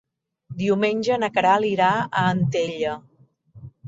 Diumenge na Queralt irà a Antella.